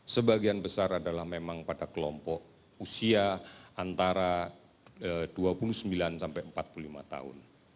sebagian besar adalah memang pada kelompok usia antara dua puluh sembilan sampai empat puluh lima tahun